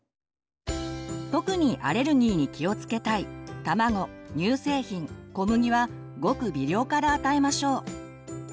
特にアレルギーに気をつけたい卵乳製品小麦はごく微量から与えましょう。